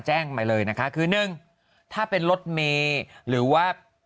แจ้งใหม่เลยนะคะคือ๑ถ้าเป็นรถเมหรือว่า